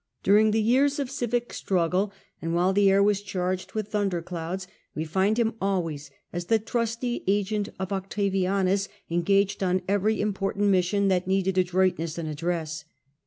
During the years of civic struggle, and while the air was charged with thunder clouds, we find him always, as the trusty agent of Octavianus, engaged on jjp|^ every important mission that needed adroit n^atic *kiiL ness and address.